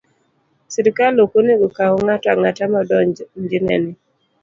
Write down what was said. Sirkal ok onego okaw ng'ato ang'ata ma odonjne ni